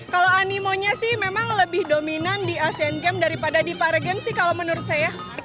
kalau animonya sih memang lebih dominan di asean games daripada di para games sih kalau menurut saya